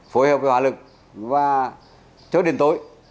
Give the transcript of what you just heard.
phối hợp với hỏa lực và trước đến tối